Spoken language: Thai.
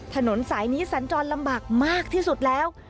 ถนนสายนี้สัญจรลำบากมากที่สุดแล้ว